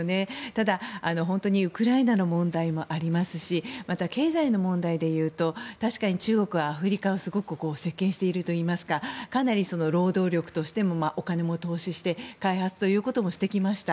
ただ、本当にウクライナの問題もありますしまた、経済の問題で言うと確かに中国はアフリカを席巻しているといいますかかなり労働力としてもお金も投資して開発ということもしてきました。